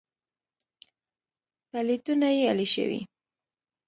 پلېټونه يې الېشوي.